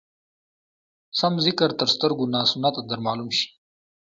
سم ذکر تر سترګو ناسنته در معلوم شي.